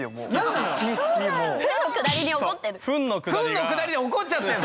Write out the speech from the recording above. フンのくだりで怒っちゃってんだ？